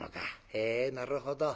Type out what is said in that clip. へえなるほど。